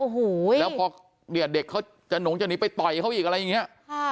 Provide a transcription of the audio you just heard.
เหนียวเด็กน้องจะหนีไปต่อยเขาอีกอะไรเนี่ย